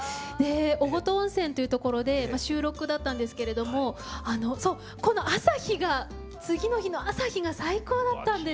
雄琴温泉というところで収録だったんですけれどもこの朝日が次の日の朝日が最高だったんです。